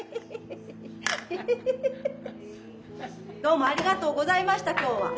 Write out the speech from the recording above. どうもありがとうございました今日は。